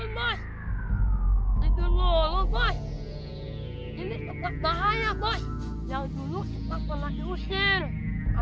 pengumuman pengumuman untuk warga semua